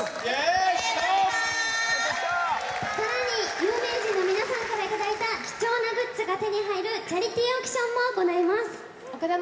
有名人の皆さんから頂いた貴重なグッズが手に入る、チャリティーオークションも行います。